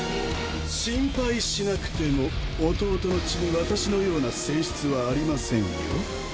心配しなくても弟の血に私のような性質はありませんよ。